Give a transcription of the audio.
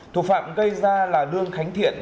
thủ phạm gây ra là đương khánh thiện